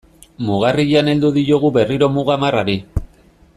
Mugarrian heldu diogu berriro muga marrari.